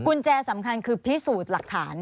กุญแจสำคัญคือพิสูจน์หลักฐาน